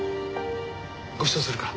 ごちそうするから。